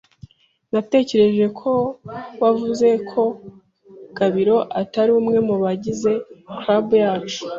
Natekereje ko wavuze ko Gabiro atari umwe mubagize club yacu.